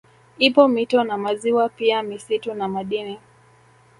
Ipo mito na maziwa pia misitu na madini